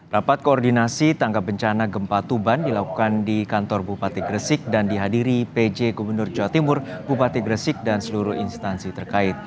rapat koordinasi tanggap bencana gempa tuban dilakukan di kantor bupati gresik dan dihadiri pj gubernur jawa timur bupati gresik dan seluruh instansi terkait